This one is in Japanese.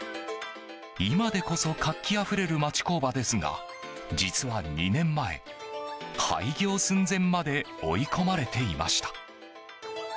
今でこそ活気あふれる町工場ですが実は２年前、廃業寸前まで追い込まれていました。